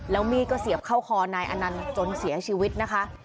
แล้วมีดก็เสียบเข้าคอนายอนันต์จนเสียชีวิตนะคะ